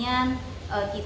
misalnya jawa timur